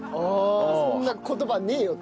そんな言葉ねえよと。